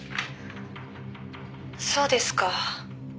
「そうですか」